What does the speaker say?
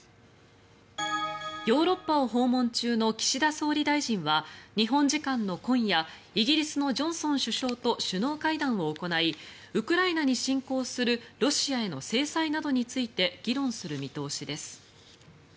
ヨーロッパを訪問中の岸田総理大臣は日本時間の今夜イギリスのジョンソン首相と首脳会談を行いウクライナに侵攻するロシアへの制裁などについて議論する見通しです。